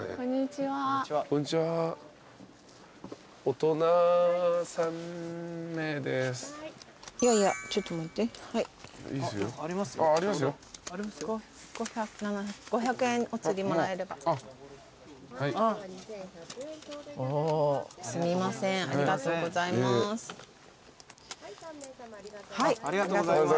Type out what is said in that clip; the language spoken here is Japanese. はい３名さまありがとうございます。